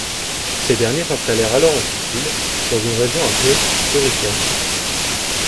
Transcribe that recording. Ces derniers s'installèrent alors en Sicile, dans une région appelée Tauricane.